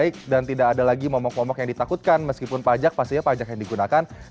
semakin baik dan tidak ada lagi momok momok yang ditakutkan meskipun pajak pasti juga akan berhasil dikendalikan ya pak